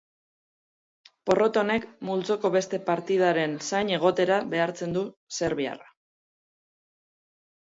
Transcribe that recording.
Porrot honek multzoko beste partidaren zain egotera behartzen du serbiarra.